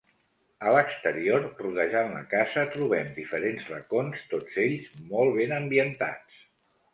A l'exterior, rodejant la casa, trobem diferents racons, tots ells molt ben ambientats.